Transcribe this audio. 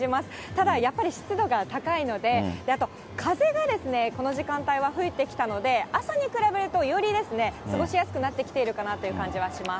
ただやっぱり湿度が高いので、あと、風がですね、この時間帯は吹いてきたので、朝に比べると、よりですね、過ごしやすくなってきているかなという感じはします。